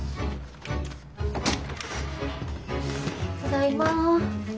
ただいま。